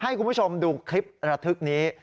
ให้คุณผู้ชมดูคลิประทึกนี้